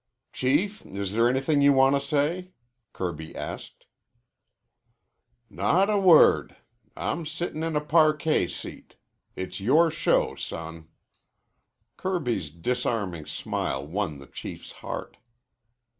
"Chief, is there anything you want to say?" Kirby asked. "Not a wor rd. I'm sittin' in a parquet seat. It's your show, son." Kirby's disarming smile won the Chief's heart.